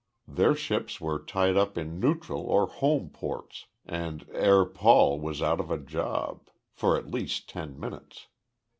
Their ships were tied up in neutral or home ports and Herr Paul was out of a job for at least ten minutes.